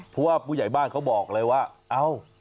เพราะว่าผู้ใหญ่บ้านเขาบอกเลยว่าเอ้า